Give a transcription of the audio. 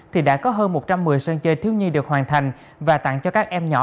thì đã có hơn một trăm một mươi sân chơi thiếu nhi được hoàn thành và tặng cho các em nhỏ